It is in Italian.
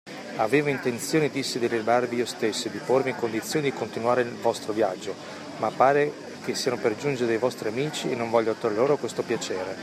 Avevo intenzione disse di liberarvi io stesso e di porvi in condizione di continuare il vostro viaggio, ma pare che stiano per giungere de’ vostri amici e non voglio toglier loro questo piacere.